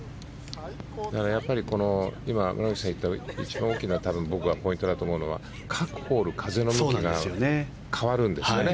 やっぱり今村口さん言った一番大きなポイントだと思うのは各ホール風の向きが変わるんですよね。